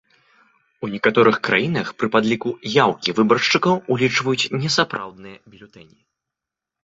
У некаторых краінах пры падліку яўкі выбаршчыкаў улічваюць несапраўдныя бюлетэні.